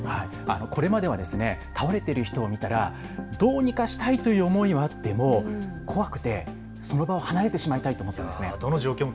これまでは倒れてる人を見たらどうにかしたいという思いはあっても怖くてその場を離れてしまいたいと思ってました。